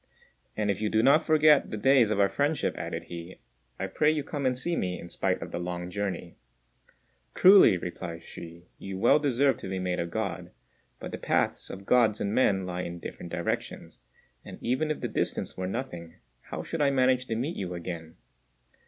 "And if you do not forget the days of our friendship," added he, "I pray you come and see me, in spite of the long journey." "Truly," replied Hsü, "you well deserved to be made a God; but the paths of Gods and men lie in different directions, and even if the distance were nothing, how should I manage to meet you again?"